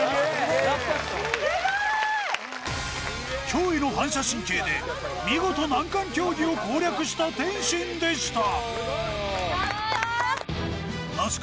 驚異の反射神経で見事難関競技を攻略した天心でした。